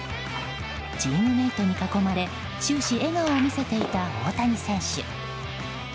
チームメートに囲まれ終始笑顔を見せていた大谷選手。